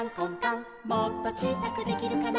「もっとちいさくできるかな」